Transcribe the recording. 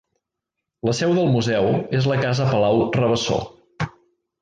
La seu del museu és la casa Palau Rabassó.